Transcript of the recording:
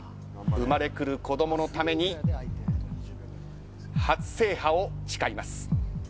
生まれくる子どものために初制覇を誓います。